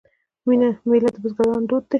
میله د بزګرانو دود دی.